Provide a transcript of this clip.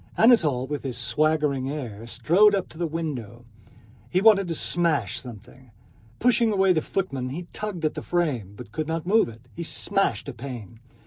Anatole with his swaggering air strode up to the window. He wanted to smash something. Pushing away the footmen he tugged at the frame, but could not move it. He smashed a pane.